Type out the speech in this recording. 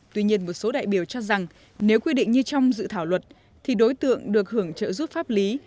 tuy nhiên một số đại biểu cho rằng nếu quy định như trong dự thảo luật thì đối tượng được hưởng trợ giúp pháp lý